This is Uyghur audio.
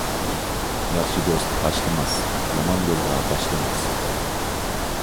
ياخشى دوست تاشلىماس، يامان يولغا باشلىماس.